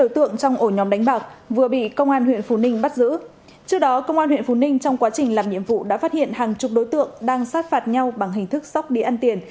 trước đó công an huyện phú ninh trong quá trình làm nhiệm vụ đã phát hiện hàng chục đối tượng đang sát phạt nhau bằng hình thức sóc đĩa ăn tiền